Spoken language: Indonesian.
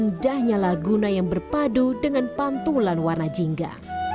menikmati indahnya lagun yang berpadu dengan pantulan warna jingga